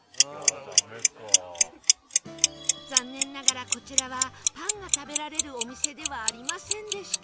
残念ながらこちらはパンが食べられるお店ではありませんでした